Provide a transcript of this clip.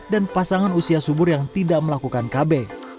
dan pasangan usia subur yang tidak melakukan kb